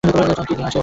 চল নিয়ে আসি ওকে!